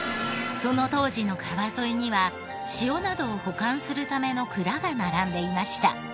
その当時の川沿いには塩などを保管するための蔵が並んでいました。